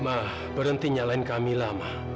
ma berhenti nyalain kamila ma